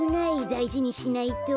だいじにしないと。